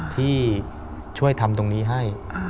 ที่ช่วยทำตรงนี้ให้